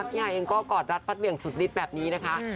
พี่หายเองก็กอดรัตรภัทรเวียงสุฤษนะคะ